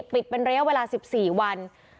ปิดเป็นระยะเวลา๑๔วัน